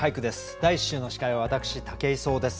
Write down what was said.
第１週の司会は私武井壮です。